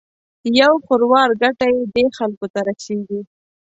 یو خروار ګټه یې دې خلکو ته رسېږي.